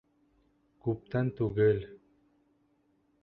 Күптән түгел...